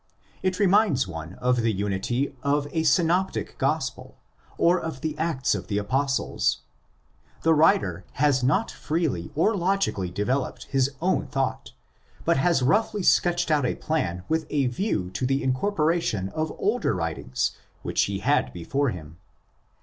It reminds one of the unity of a Synoptic Gospel or of the Acts of the Apostles. The writer has not freely and logically developed his own thought, but has roughly sketched outa plan with a view to the incorporation of older writings which he had before him.